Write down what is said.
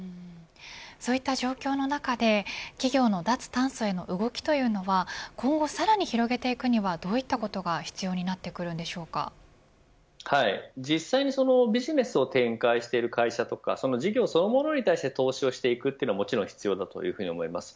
そういった状況の中で企業の脱炭素への動きというのは今後さらに広げていくにはどういったことが必要に実際にビジネスを展開している会社とか事業そのものについて投資をしていくことはもちろん必要だと思います。